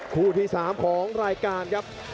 คู่ที่๓ของรายการครับ